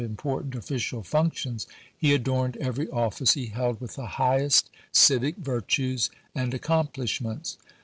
important official functions he adorned every office he held with the highest civic virtues and accom plishments.